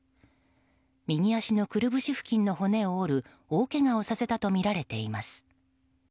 右足のくるぶし付近の骨を折る大けがをさせたとみられています。